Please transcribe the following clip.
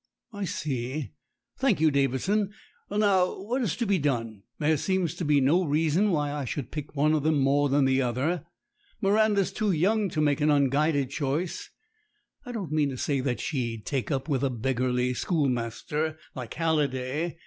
"I see. Thank you, Davidson. Well, now, what is to be done? There seems to be no reason why I should pick one of them more than the other. Mi randa's too young to make an unguided choice. I don't mean to say that she'd take up with a beggarly schoolmaster, like Halliday.